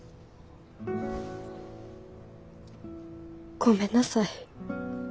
ごめんなさい。